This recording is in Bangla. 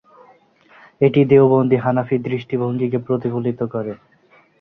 এটি দেওবন্দি হানাফি দৃষ্টিভঙ্গিকে প্রতিফলিত করে।